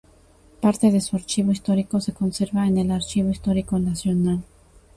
Parte de su archivo histórico se conserva en el Archivo Histórico Nacional.